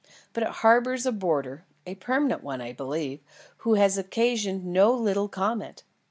But it harbours a boarder, a permanent one, I believe, who has occasioned no little comment.